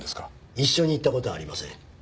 一緒に行った事はありません。